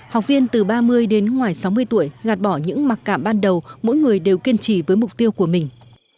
học viên từ ba mươi đến ngoài sáu mươi tuổi gạt bỏ những mặc cảm ban đầu mỗi người đều kiên trì với mục tiêu của mình